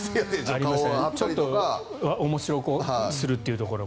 ちょっと面白くするというところも。